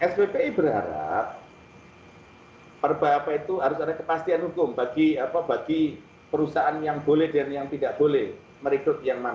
sppi berharap perbah apa itu harus ada kepastian hukum bagi perusahaan yang boleh dan yang tidak boleh merekrut yang mana